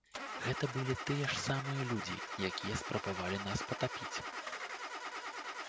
Гэта былі тыя ж самыя людзі, якія спрабавалі нас патапіць.